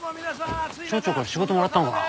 町長から仕事もらったんかな？